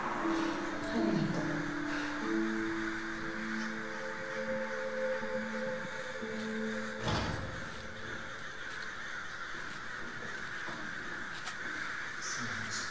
ありがとう。すみませんでした。